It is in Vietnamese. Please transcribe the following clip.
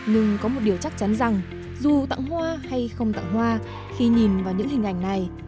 nhưng có một điều chắc chắn rằng dù tặng hoa hay không tặng hoa khi nhìn vào những hình ảnh này